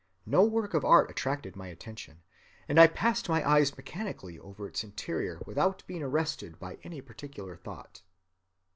No work of art attracted my attention; and I passed my eyes mechanically over its interior without being arrested by any particular thought.